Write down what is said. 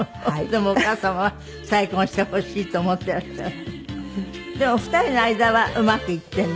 でもお母様は再婚してほしいと思っていらっしゃる。